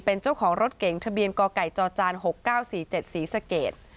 เป็นเจ้าของรถเก๋งทะเบียนกไก่จจ๖๙๔๗ศรีสเกต